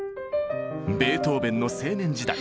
ベートーベンの青年時代。